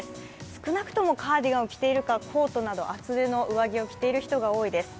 少なくともカーディガンを着ているか、コートなど厚手の上着を着ている人が多いです。